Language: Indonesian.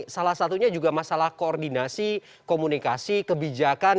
salah satunya juga masalah koordinasi komunikasi kebijakan